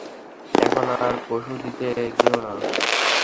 এখন আর পণ্ড করে দিও না।